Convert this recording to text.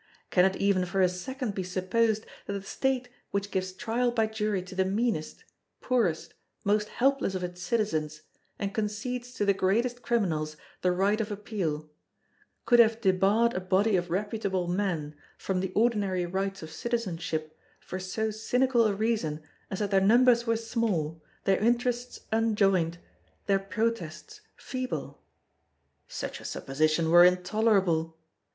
Can it even for a second be supposed that a State which gives trial by Jury to the meanest, poorest, most helpless of its citizens, and concedes to the greatest criminals the right of appeal, could have debarred a body of reputable men from the ordinary rights of citizenship for so cynical a reason as that their numbers were small, their interests unjoined, their protests feeble? Such a supposition were intolerable!